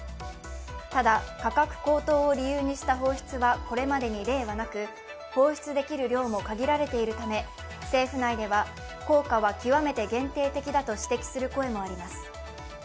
ただ、価格高騰を理由にした放出はこれまでに例がなく放出できる量も限られているため、政府内では効果は極めて限定的だと指摘する声もあります。